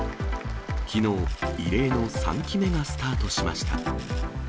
きのう、異例の３期目がスタートしました。